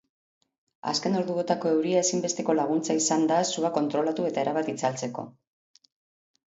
Azken orduotako euria ezinbesteko laguntza izan da sua kontrolatu eta erabat itzaltzeko.